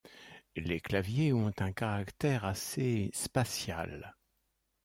Les claviers ont un caractère assez 'spatial'.